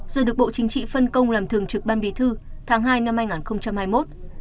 rồi được bộ chính trị phân công làm thường trực ban bí thư tháng hai năm hai nghìn hai mươi một